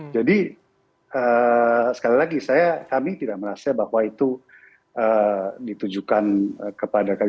jadi sekali lagi kami tidak merasa bahwa itu ditujukan kepada kami